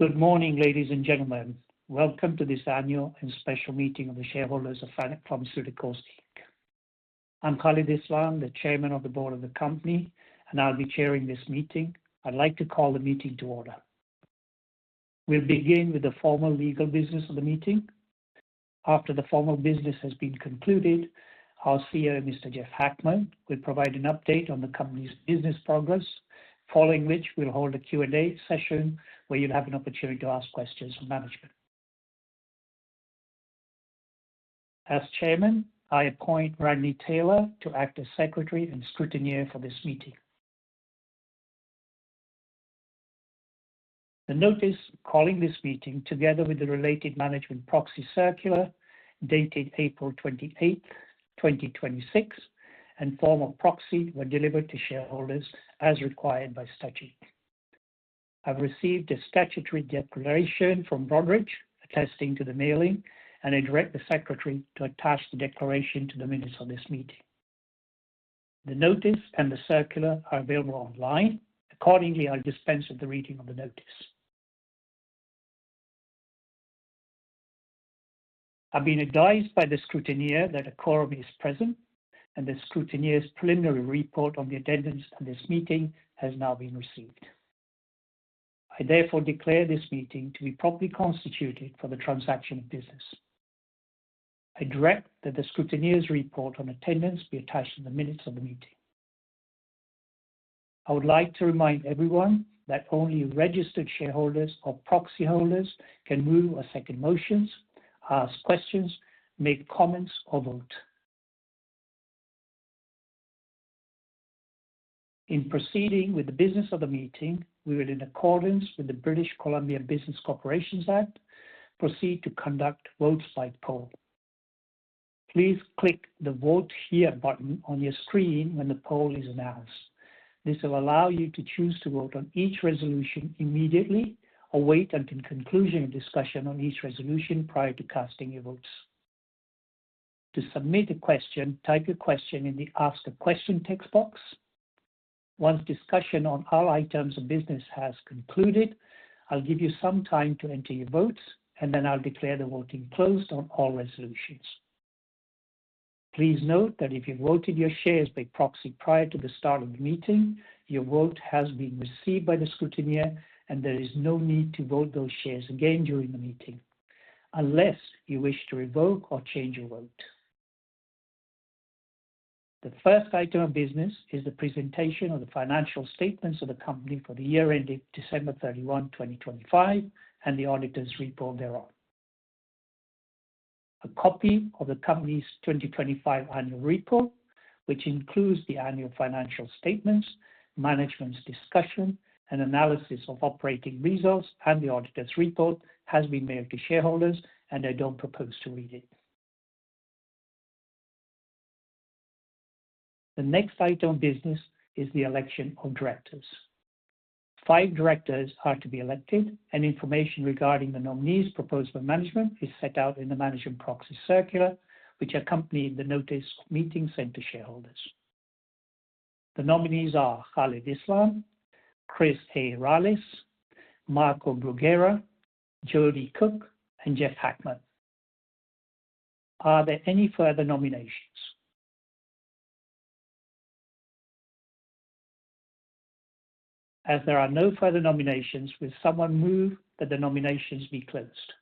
Good morning, ladies and gentlemen. Welcome to this annual and special meeting of the shareholders of Fennec Pharmaceuticals Inc. I'm Khalid Islam, the Chairman of the Board of the company, and I'll be chairing this meeting. I'd like to call the meeting to order. We'll begin with the formal legal business of the meeting. After the formal business has been concluded, our CEO, Mr. Jeff Hackman, will provide an update on the company's business progress, following which we'll hold a Q&A session where you'll have an opportunity to ask questions from management. As chairman, I appoint Bradley Taylor to act as Secretary and Scrutineer for this meeting. The notice calling this meeting, together with the related management proxy circular, dated April 28th, 2026, and form of proxy were delivered to shareholders as required by statute. I've received a statutory declaration from Broadridge attesting to the mailing, and I direct the secretary to attach the declaration to the minutes of this meeting. The notice and the circular are available online. Accordingly, I'll dispense with the reading of the notice. I've been advised by the scrutineer that a quorum is present, and the scrutineer's preliminary report on the attendance at this meeting has now been received. I therefore declare this meeting to be properly constituted for the transaction of business. I direct that the scrutineer's report on attendance be attached to the minutes of the meeting. I would like to remind everyone that only registered shareholders or proxy holders can move or second motions, ask questions, make comments, or vote. In proceeding with the business of the meeting, we will, in accordance with the British Columbia Business Corporations Act, proceed to conduct votes by poll. Please click the Vote Here button on your screen when the poll is announced. This will allow you to choose to vote on each resolution immediately or wait until conclusion of discussion on each resolution prior to casting your votes. To submit a question, type your question in the Ask a Question text box. Once discussion on all items of business has concluded, I'll give you some time to enter your votes, and then I'll declare the voting closed on all resolutions. Please note that if you voted your shares by proxy prior to the start of the meeting, your vote has been received by the scrutineer, and there is no need to vote those shares again during the meeting, unless you wish to revoke or change your vote. The first item of business is the presentation of the financial statements of the company for the year ending December 31, 2025, and the auditor's report thereon. A copy of the company's 2025 annual report, which includes the annual financial statements, management's discussion and analysis of operating results, and the auditor's report, has been mailed to shareholders, and I don't propose to read it. The next item of business is the election of directors. Five directors are to be elected, and information regarding the nominees proposed for management is set out in the management proxy circular, which accompanied the notice of meeting sent to shareholders. The nominees are Khalid Islam, Chris Rallis, Marco Brughera, Jodi Cook, and Jeff Hackman. Are there any further nominations? As there are no further nominations, will someone move that the nominations be closed?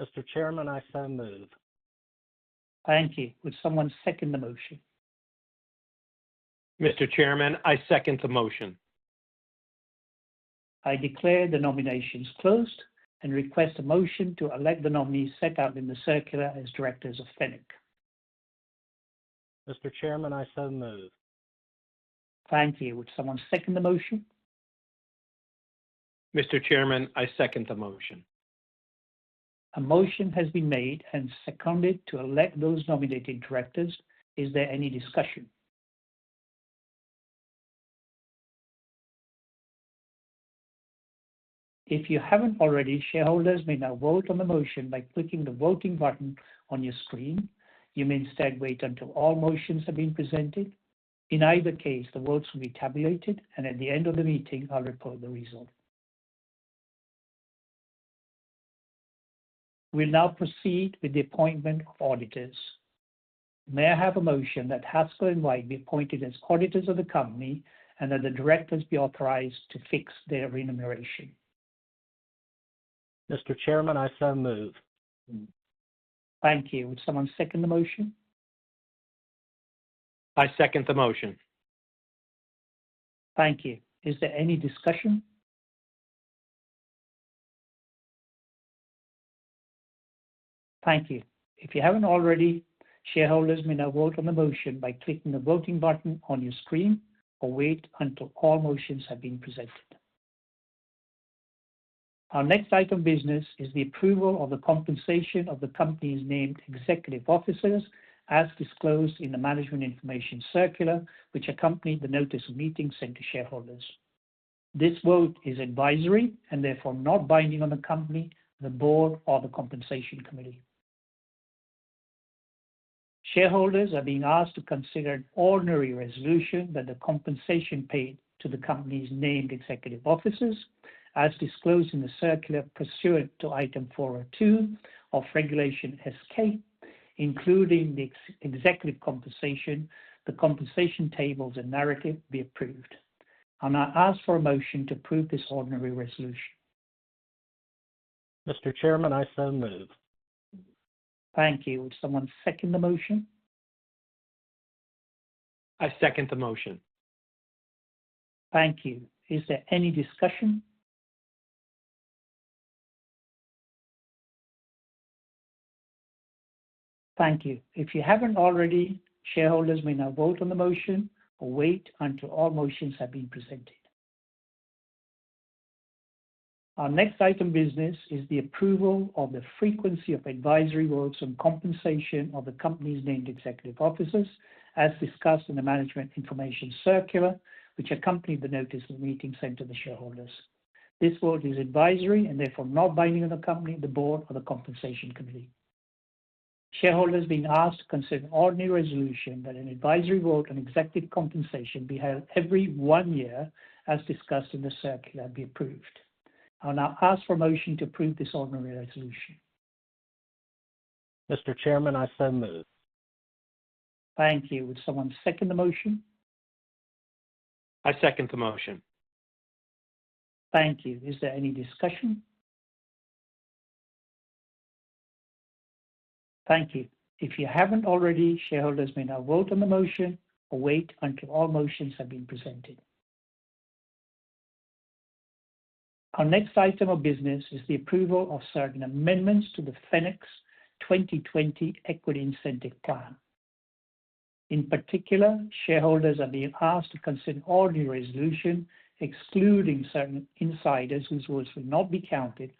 Mr. Chairman, I so move. Thank you. Would someone second the motion? Mr. Chairman, I second the motion. I declare the nominations closed and request a motion to elect the nominees set out in the circular as directors of Fennec. Mr. Chairman, I so move. Thank you. Would someone second the motion? Mr. Chairman, I second the motion. A motion has been made and seconded to elect those nominated directors. Is there any discussion? If you haven't already, shareholders may now vote on the motion by clicking the voting button on your screen. You may instead wait until all motions have been presented. In either case, the votes will be tabulated, and at the end of the meeting, I'll report the result. We'll now proceed with the appointment of auditors. May I have a motion that Haskell & White be appointed as auditors of the company and that the directors be authorized to fix their remuneration? Mr. Chairman, I so move. Thank you. Would someone second the motion? I second the motion. Thank you. Is there any discussion? Thank you. If you haven't already, shareholders may now vote on the motion by clicking the voting button on your screen or wait until all motions have been presented. Our next item of business is the approval of the compensation of the company's named executive officers as disclosed in the management information circular, which accompanied the notice of meeting sent to shareholders. This vote is advisory and therefore not binding on the company, the board, or the compensation committee. Shareholders are being asked to consider an ordinary resolution that the compensation paid to the company's named executive officers, as disclosed in the circular pursuant to Item 402 of Regulation S-K, including the executive compensation, the compensation tables, and narrative be approved. I'll now ask for a motion to approve this ordinary resolution. Mr. Chairman, I so move. Thank you. Would someone second the motion? I second the motion. Thank you. Is there any discussion? Thank you. If you haven't already, shareholders may now vote on the motion or wait until all motions have been presented. Our next item of business is the approval of the frequency of advisory votes on compensation of the company's named executive officers, as discussed in the management information circular, which accompanied the notice of the meeting sent to the shareholders. This vote is advisory and therefore not binding on the company, the board, or the compensation committee. Shareholders are being asked to consider an ordinary resolution that an advisory vote on executive compensation be held every one year, as discussed in the circular, be approved. I'll now ask for a motion to approve this ordinary resolution. Mr. Chairman, I so move. Thank you. Would someone second the motion? I second the motion. Thank you. Is there any discussion? Thank you. If you haven't already, shareholders may now vote on the motion or wait until all motions have been presented. Our next item of business is the approval of certain amendments to the Fennec 2020 Equity Incentive Plan. In particular, shareholders are being asked to consider an ordinary resolution, excluding certain insiders whose votes will not be counted,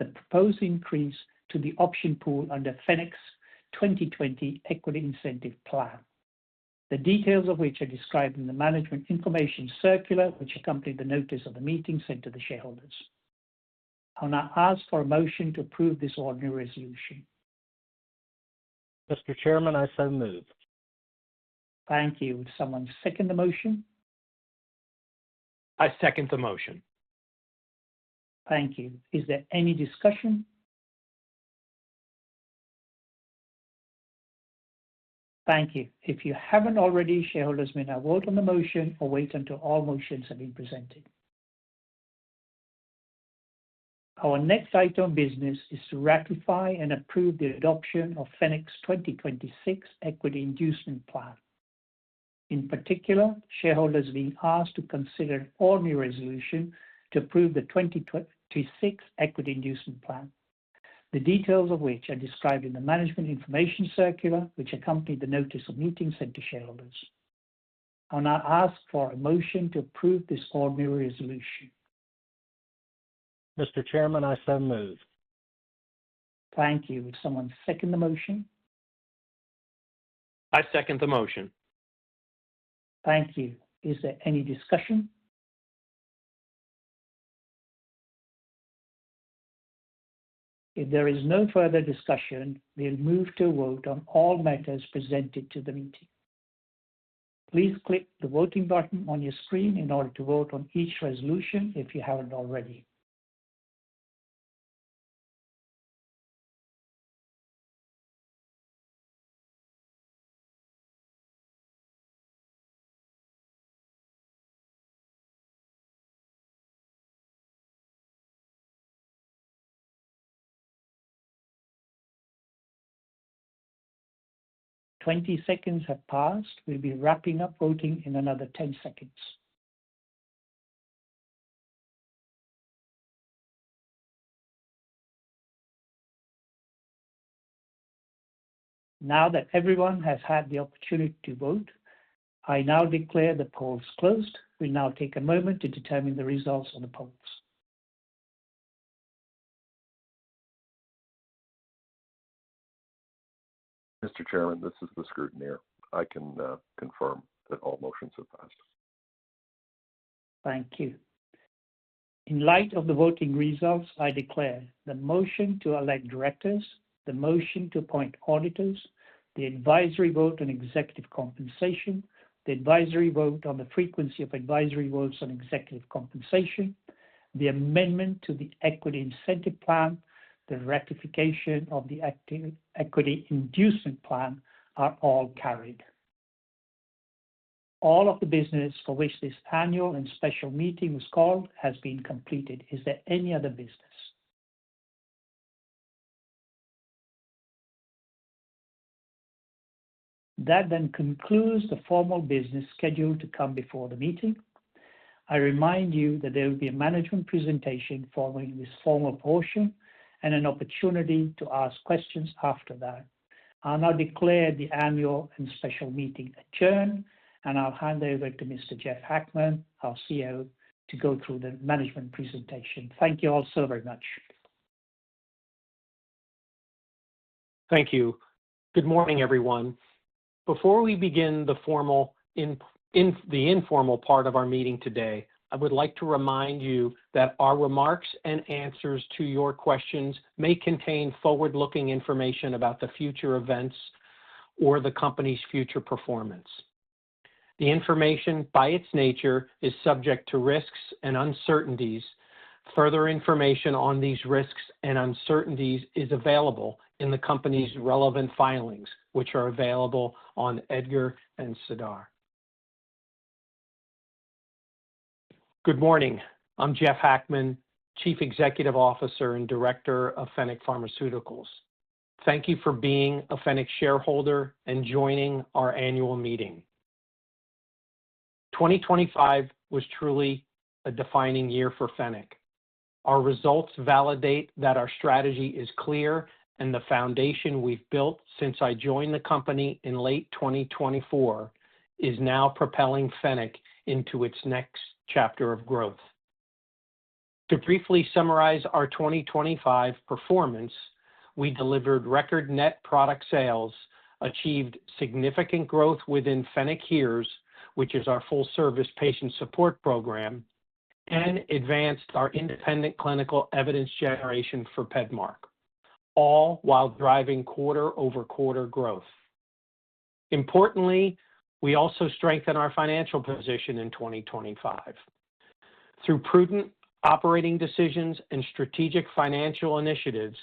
the proposed increase to the option pool under Fennec's 2020 Equity Incentive Plan, the details of which are described in the management information circular, which accompanied the notice of the meeting sent to the shareholders. I'll now ask for a motion to approve this ordinary resolution. Mr. Chairman, I so move. Thank you. Would someone second the motion? I second the motion. Thank you. Is there any discussion? Thank you. If you haven't already, shareholders may now vote on the motion or wait until all motions have been presented. Our next item of business is to ratify and approve the adoption of Fennec's 2026 Equity Inducement Plan. In particular, shareholders are being asked to consider an ordinary resolution to approve the 2026 Equity Inducement Plan, the details of which are described in the management information circular, which accompanied the notice of meeting sent to shareholders. I'll now ask for a motion to approve this ordinary resolution. Mr. Chairman, I so move. Thank you. Would someone second the motion? I second the motion. Thank you. Is there any discussion? If there is no further discussion, we'll move to a vote on all matters presented to the meeting. Please click the voting button on your screen in order to vote on each resolution, if you haven't already. 20 seconds have passed. We'll be wrapping up voting in another 10 seconds. Now that everyone has had the opportunity to vote, I now declare the polls closed. We'll now take a moment to determine the results of the polls. Mr. Chairman, this is the scrutineer. I can confirm that all motions have passed. Thank you. In light of the voting results, I declare the motion to elect directors, the motion to appoint auditors, the advisory vote on executive compensation, the advisory vote on the frequency of advisory votes on executive compensation, the amendment to the Equity Incentive Plan, the ratification of the Equity Inducement Plan, are all carried. All of the business for which this annual and special meeting was called has been completed. Is there any other business? That concludes the formal business scheduled to come before the meeting. I remind you that there will be a management presentation following this formal portion and an opportunity to ask questions after that. I'll now declare the annual and special meeting adjourned, and I'll hand over to Mr. Jeff Hackman, our CEO, to go through the management presentation. Thank you all so very much. Thank you. Good morning, everyone. Before we begin the informal part of our meeting today, I would like to remind you that our remarks and answers to your questions may contain forward-looking information about the future events or the company's future performance. The information, by its nature, is subject to risks and uncertainties. Further information on these risks and uncertainties is available in the company's relevant filings, which are available on EDGAR and SEDAR. Good morning. I'm Jeff Hackman, Chief Executive Officer and Director of Fennec Pharmaceuticals. Thank you for being a Fennec shareholder and joining our annual meeting. 2025 was truly a defining year for Fennec. Our results validate that our strategy is clear, and the foundation we've built since I joined the company in late 2024 is now propelling Fennec into its next chapter of growth. To briefly summarize our 2025 performance, we delivered record net product sales, achieved significant growth within Fennec HEARS, which is our full-service patient support program, and advanced our independent clinical evidence generation for PEDMARK, all while driving quarter-over-quarter growth. Importantly, we also strengthened our financial position in 2025. Through prudent operating decisions and strategic financial initiatives,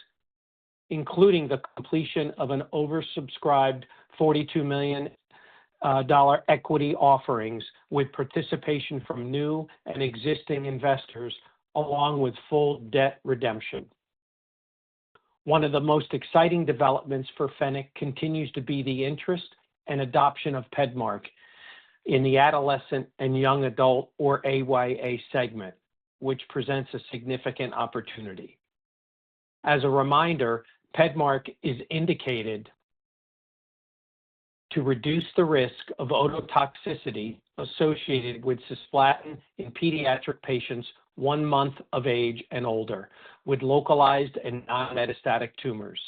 including the completion of an oversubscribed $42 million equity offerings with participation from new and existing investors, along with full debt redemption. One of the most exciting developments for Fennec continues to be the interest and adoption of PEDMARK in the adolescent and young adult, or AYA segment, which presents a significant opportunity. As a reminder, PEDMARK is indicated to reduce the risk of ototoxicity associated with cisplatin in pediatric patients one month of age and older with localized and non-metastatic tumors.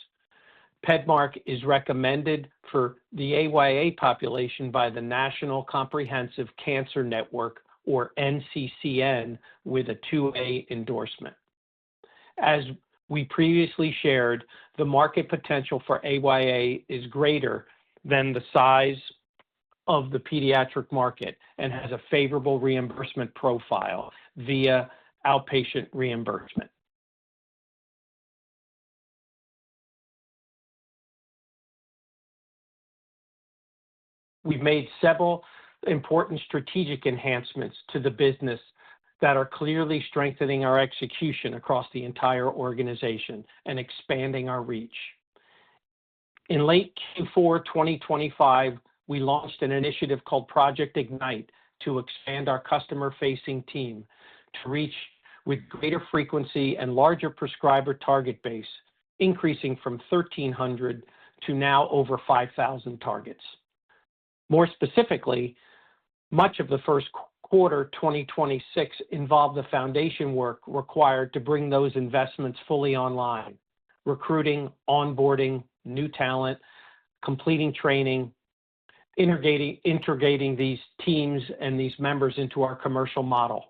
PEDMARK is recommended for the AYA population by the National Comprehensive Cancer Network, or NCCN, with a 2A endorsement. As we previously shared, the market potential for AYA is greater than the size of the pediatric market and has a favorable reimbursement profile via outpatient reimbursement. We've made several important strategic enhancements to the business that are clearly strengthening our execution across the entire organization and expanding our reach. In late Q4 2025, we launched an initiative called Project Ignite to expand our customer-facing team to reach with greater frequency and larger prescriber target base, increasing from 1,300 to now over 5,000 targets. More specifically, much of the first quarter 2026 involved the foundation work required to bring those investments fully online, recruiting, onboarding new talent, completing training, integrating these teams and these members into our commercial model.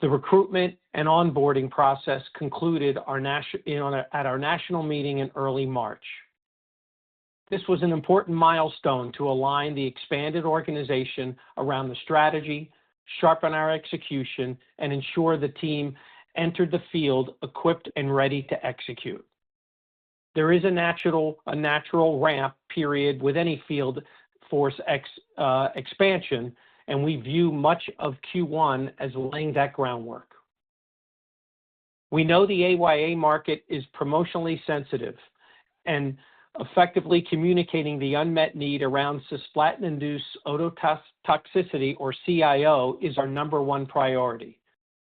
The recruitment and onboarding process concluded at our national meeting in early March. This was an important milestone to align the expanded organization around the strategy, sharpen our execution, and ensure the team entered the field equipped and ready to execute. There is a natural ramp period with any field force expansion, and we view much of Q1 as laying that groundwork. We know the AYA market is promotionally sensitive, and effectively communicating the unmet need around cisplatin-induced ototoxicity, or CIO, is our number one priority.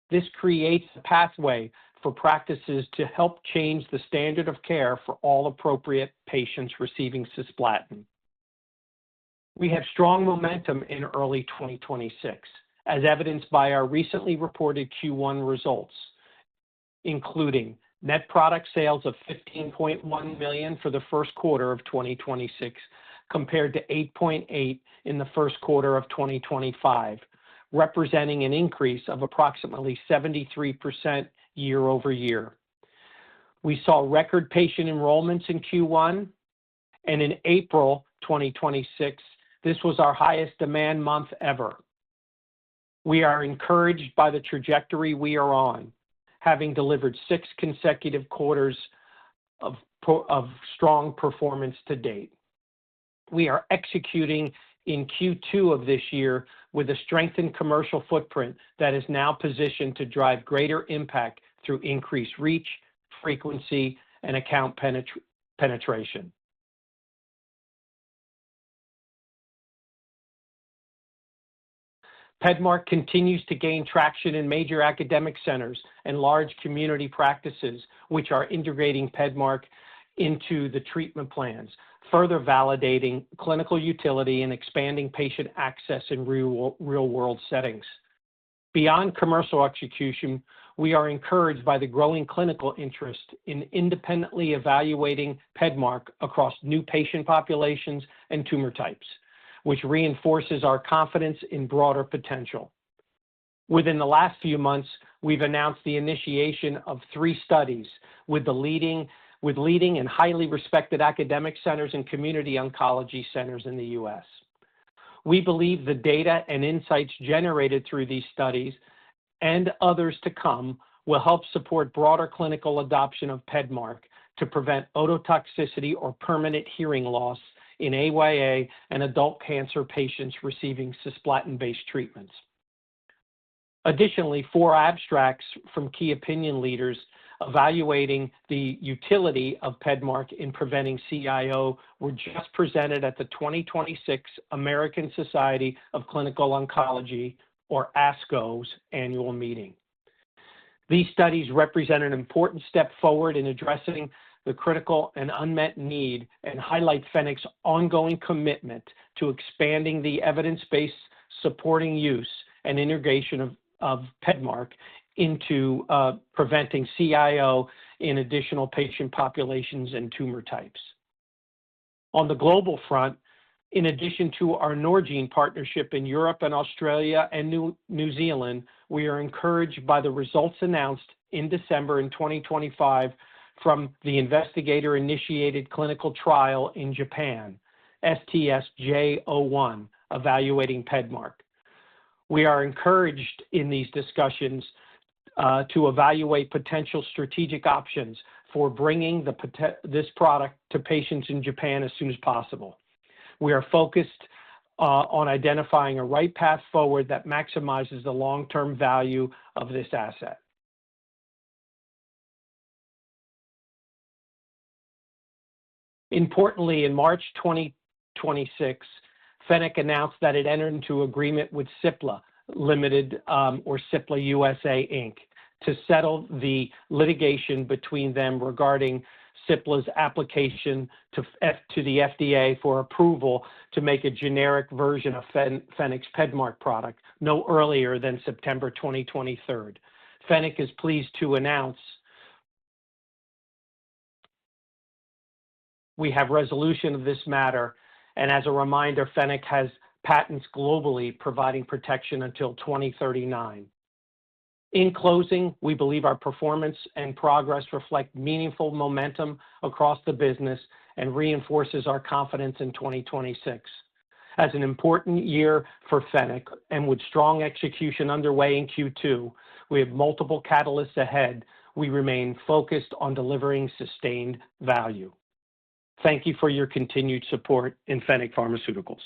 This creates a pathway for practices to help change the standard of care for all appropriate patients receiving cisplatin. We have strong momentum in early 2026, as evidenced by our recently reported Q1 results, including net product sales of $15.1 million for the first quarter of 2026, compared to $8.8 million in the first quarter of 2025, representing an increase of approximately 73% year-over-year. We saw record patient enrollments in Q1, and in April 2026, this was our highest demand month ever. We are encouraged by the trajectory we are on, having delivered six consecutive quarters of strong performance to date. We are executing in Q2 of this year with a strengthened commercial footprint that is now positioned to drive greater impact through increased reach, frequency, and account penetration. PEDMARK continues to gain traction in major academic centers and large community practices, which are integrating PEDMARK into the treatment plans, further validating clinical utility and expanding patient access in real-world settings. Beyond commercial execution, we are encouraged by the growing clinical interest in independently evaluating PEDMARK across new patient populations and tumor types, which reinforces our confidence in broader potential. Within the last few months, we've announced the initiation of three studies with leading and highly respected academic centers and community oncology centers in the U.S. We believe the data and insights generated through these studies, and others to come, will help support broader clinical adoption of PEDMARK to prevent ototoxicity or permanent hearing loss in AYA and adult cancer patients receiving cisplatin-based treatments. Additionally, four abstracts from key opinion leaders evaluating the utility of PEDMARK in preventing CIO were just presented at the 2026 American Society of Clinical Oncology, or ASCO's, annual meeting. These studies represent an important step forward in addressing the critical and unmet need, and highlight Fennec's ongoing commitment to expanding the evidence-based supporting use and integration of PEDMARK into preventing CIO in additional patient populations and tumor types. On the global front, in addition to our Norgine partnership in Europe and Australia and New Zealand, we are encouraged by the results announced in December in 2025 from the investigator-initiated clinical trial in Japan, STS-J01, evaluating PEDMARK. We are encouraged in these discussions to evaluate potential strategic options for bringing this product to patients in Japan as soon as possible. We are focused on identifying a right path forward that maximizes the long-term value of this asset. Importantly, in March 2026, Fennec announced that it entered into agreement with Cipla Limited, or Cipla USA Inc., to settle the litigation between them regarding Cipla's application to the FDA for approval to make a generic version of Fennec's PEDMARK product no earlier than September 2023. Fennec is pleased to announce we have resolution of this matter. As a reminder, Fennec has patents globally providing protection until 2039. In closing, we believe our performance and progress reflect meaningful momentum across the business and reinforces our confidence in 2026 as an important year for Fennec. With strong execution underway in Q2, we have multiple catalysts ahead. We remain focused on delivering sustained value. Thank you for your continued support in Fennec Pharmaceuticals.